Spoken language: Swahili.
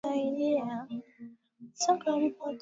wa mataifa mengine Zaidi ya Waturuki milioni tatu